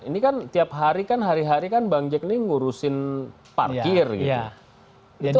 ini kan tiap hari kan bang jack ini ngurusin parkir gitu